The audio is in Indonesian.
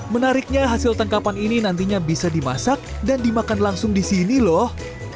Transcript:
menariknya hasil tangkapan ini nantinya bisa dimasak dan dimakan langsung di sini loh